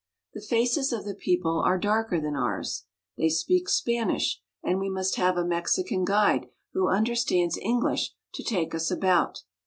The faces of the people are darker than ours. They speak Spanish, and we must have a Mexican guide who understands English to take us about.